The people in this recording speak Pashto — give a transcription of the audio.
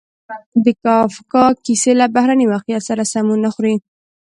د کافکا کیسې له بهرني واقعیت سره سمون نه خوري.